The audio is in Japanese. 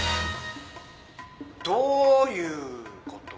どういうこと？